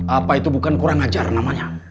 apa itu bukan kurang ajar namanya